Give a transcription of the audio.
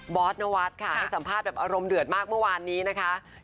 อสนวัฒน์ค่ะให้สัมภาษณ์แบบอารมณ์เดือดมากเมื่อวานนี้นะคะ